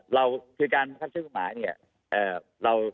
การบังคัดช่วยผู้หมา